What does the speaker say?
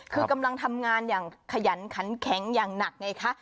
คือกำลังทำงานอย่างขยันขันแข็งอย่างหนักไงคะ